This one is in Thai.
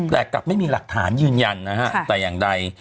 แต่กลับไม่มีหลักฐานยืนยันนะฮะแต่อย่างใด